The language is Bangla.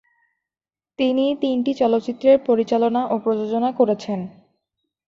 তিনি তিনটি চলচ্চিত্রের পরিচালনা ও প্রযোজনা করেছেন।